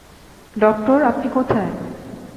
Doctor, আপনি কোথায়?